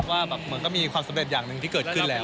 ว่าแบบเหมือนก็มีความสำเร็จอย่างหนึ่งที่เกิดขึ้นแล้ว